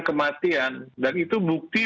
kematian dan itu bukti